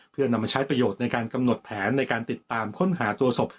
เพื่อนำมาใช้ประโยชน์ในการกำหนดแผนในการติดตามค้นหาตัวศพ